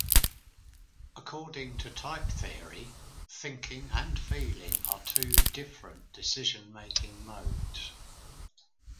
According to type theory, thinking and feeling are two different decision-making modes.